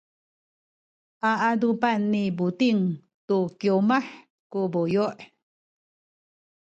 a adupan ni Buting tu kiwmah ku buyu’.